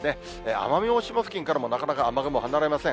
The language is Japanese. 奄美大島付近からもなかなか雨雲離れません。